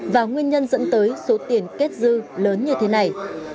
và nguyên nhân dẫn tới số tiền kết dư lớn như thế này